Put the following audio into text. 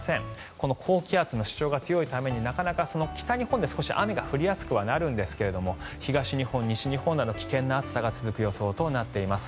この高気圧の主張が強いため北日本のほうで少し雨が降りやすくはなるんですが東日本、西日本など危険な暑さが続く予想となっています。